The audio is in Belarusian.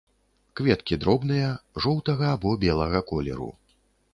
Кветкі дробныя, жоўтага або белага колеру.